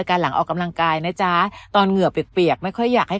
กันหลังออกกำลังกายนะจ๊ะตอนเหงื่อเปียกเปียกไม่ค่อยอยากให้